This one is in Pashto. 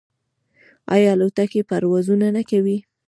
آیا الوتکې پروازونه نه کوي؟